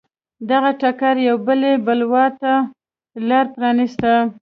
دغه ټکر یوې بلې بلوا ته لار پرانېسته.